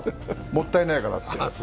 もったいないからって。